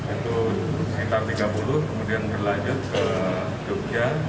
itu sekitar tiga puluh kemudian berlanjut ke jogja